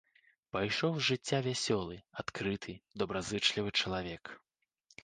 Пайшоў з жыцця вясёлы, адкрыты, добразычлівы чалавек.